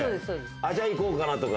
じゃあ行こうかなとか。